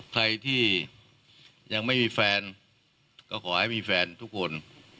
ใครที่ยังไม่มีแฟนก็ขอให้มีแฟนทุกคน